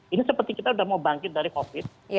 ini seperti kita udah mau bangkit dari covid sembilan belas